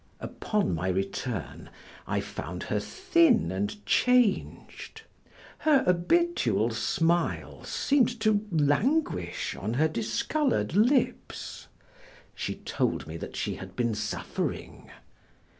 Upon my return, I found her thin and changed. Her habitual smile seemed to languish on her discolored lips. She told me that she had been suffering.